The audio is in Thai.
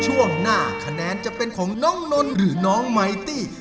ช่วงหน้าคะแนนจะเป็นของน้องนนท์หรือน้องไมตี้